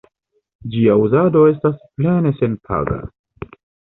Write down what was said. Ĝia uzado estas plene senpaga.